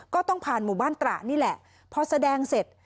ก็ต้องผ่านหมู่บ้านตระนี่แหละพอแสดงเสร็จ